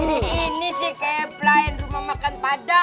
ini si kemplah yang rumah makan padang